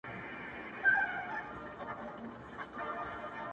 ماشومانو ته به کومي کیسې یوسي-